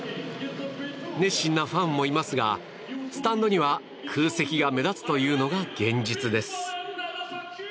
熱心なファンもいますがスタンドには空席が目立つというのが現実です。